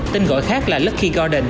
tên gọi khác là lucky garden